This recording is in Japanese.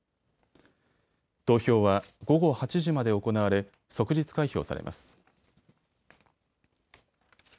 投票は午後８時まで行われ即日開票されます。